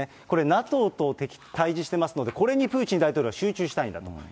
これ、ＮＡＴＯと対じしてますので、これにプーチン大統領は集中したいんだと。